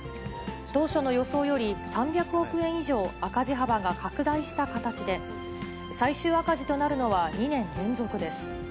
当初の予想より３００億円以上、赤字幅が拡大した形で、最終赤字となるのは２年連続です。